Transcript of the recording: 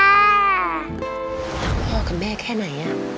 รักพ่อกับแม่แค่ไหน